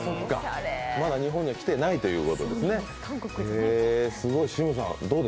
まだ日本には来てないということですね、すごい。